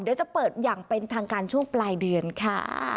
เดี๋ยวจะเปิดอย่างเป็นทางการช่วงปลายเดือนค่ะ